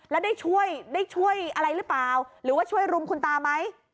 แล้วได้ช่วยได้ช่วยอะไรหรือเปล่าหรือว่าช่วยรุมคุณตาไหม